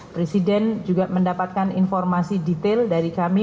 presiden juga mendapatkan informasi detail dari kami